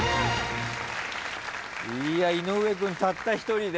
いや井上君たった一人で。